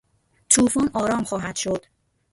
توفان آرام خواهد شد.